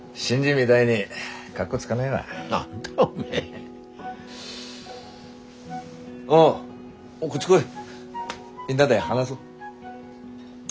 みんなで話そ。